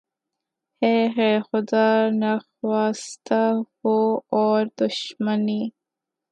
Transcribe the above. ھے ھے! خدا نخواستہ وہ اور دشمنی